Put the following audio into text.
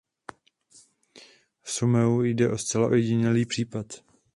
V Sumeru jde o zcela ojedinělý případ.